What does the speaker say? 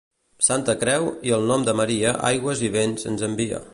Santa Creu i el nom de Maria aigües i vents ens envia.